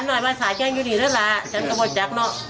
เดี๋ยวไปส่งแย่กลับมา